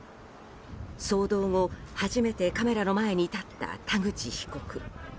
騒動後初めてカメラの前に立った田口被告。